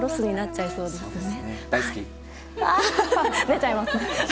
出ちゃいますね。